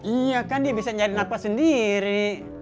iya kan dia bisa nyari nafas sendiri